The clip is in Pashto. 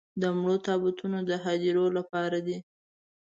د مړو تابوتونه د هديرو لپاره دي.